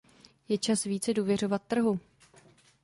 Je čas více důvěřovat trhu.